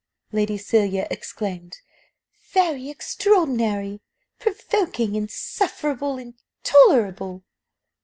Lady Cecilia exclaimed "Very extraordinary! Provoking! Insufferable! Intolerable!"